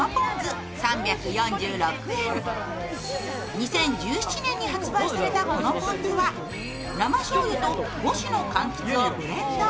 ２０１７年に発売されたこのぽん酢は生しょうゆと５種のかんきつをブレンド。